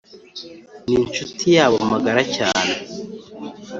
n’inshuti yabo magara cyane